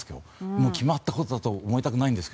もう決まったことだと思いたくないんですが。